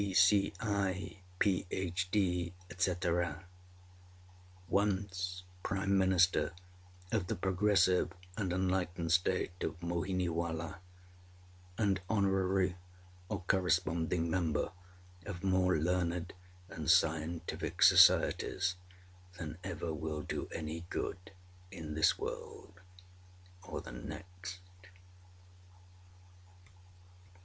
D.C.L., Ph.D., etc., once Prime Minister of the progressive and enlightened State of Mohiniwala, and honorary or corresponding member of more learned and scientific societies than will ever do any good in this world or the next.